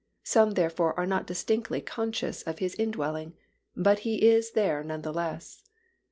Some therefore are not distinctly conscious of His indwelling, but He is there none the less.